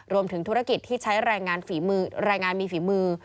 รวมถึงธุรกิจที่ใช้แรงงานมีฝีมือ